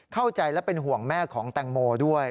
เข้าใจและเป็นห่วงแม่ของแตงโมด้วย